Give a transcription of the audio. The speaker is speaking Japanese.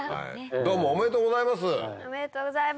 どうもおめでとうございます。